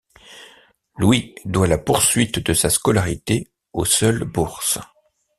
Louis doit la poursuite de sa scolarité aux seules bourses.